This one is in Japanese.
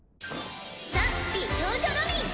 ザ・美少女ロミン。